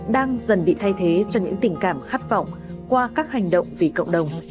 đang dần bị thay thế cho những tình cảm khát vọng qua các hành động vì cộng đồng